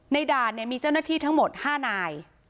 ด่านมีเจ้าหน้าที่ทั้งหมด๕นาย